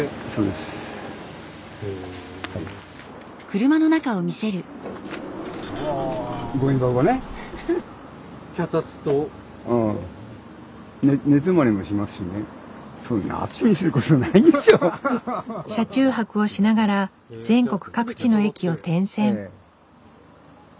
車中泊をしながら全国各地の駅を転戦。